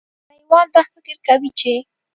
نړیوال دا فکر کوي چې